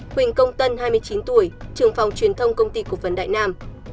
quỳnh công tân hai mươi chín tuổi trường phòng truyền thông cục vấn đại nam